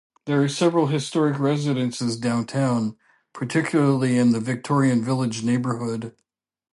There are several historic residences downtown, particularly in the Victorian Village neighborhood.